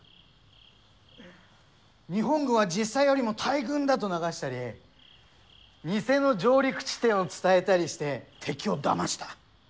日本軍は実際よりも大軍だと流したり偽の上陸地点を伝えたりして敵をだました。